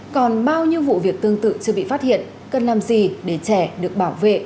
còn bao nhiêu vụ việc tương tự chưa bị phát hiện cần làm gì để trẻ được bảo vệ